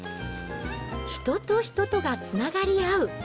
人と人とがつながり合う。